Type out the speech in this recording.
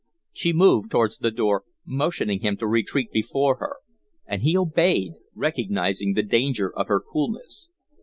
She moved towards the door, motioning him to retreat before her, and he obeyed, recognizing the danger of her coolness.